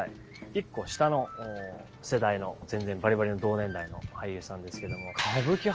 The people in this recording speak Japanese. １個下の世代の全然バリバリの同年代の俳優さんですけども。